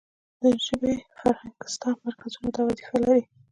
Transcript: د ژبې فرهنګستان مرکزونه دا وظیفه لري.